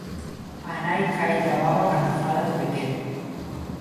_Á nai cáelle a baba cando fala do pequeno.